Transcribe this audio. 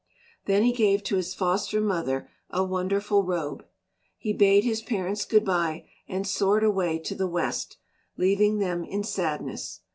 Then he gave to his foster mother a wonderful robe. He bade his parents good bye, and soared away to the west, leaving them in sadness.